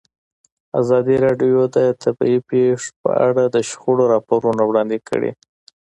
ازادي راډیو د طبیعي پېښې په اړه د شخړو راپورونه وړاندې کړي.